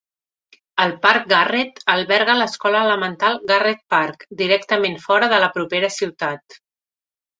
El parc Garret alberga l'escola elemental Garrett Park, directament fora de la propera ciutat.